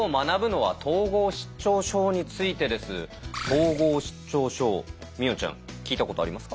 統合失調症美音ちゃん聞いたことありますか？